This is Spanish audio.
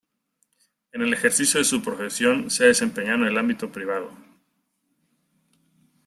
En el ejercicio de su profesión se ha desempeñado en el ámbito privado.